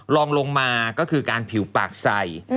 ลองลงมาก็คือการผิวปากใส่